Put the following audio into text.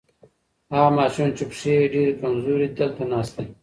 هغه ماشوم چې پښې یې ډېرې کمزورې دي دلته ناست دی.